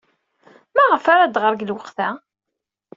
Maɣef ara d-tɣer deg lweqt-a?